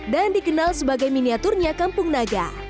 dan dikenal sebagai miniaturnya kampung naga